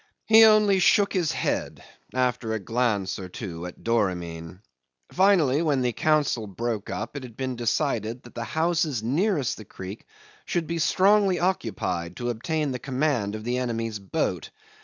He only shook his head, after a glance or two at Doramin. Finally, when the council broke up it had been decided that the houses nearest the creek should be strongly occupied to obtain the command of the enemy's boat.